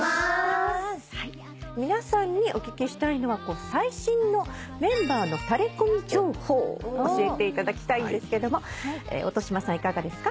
皆さんにお聞きしたいのは最新のメンバーのタレコミ情報を教えていただきたいんですけども音嶋さんいかがですか？